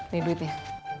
bisa duit ya